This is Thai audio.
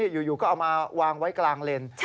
อยู่ก็เอามาวางไว้กลางเลน